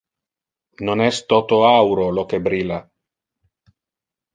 Non es toto auro lo que brilla.